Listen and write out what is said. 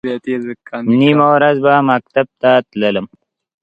نیمه ورځ به مکتب ته تلم.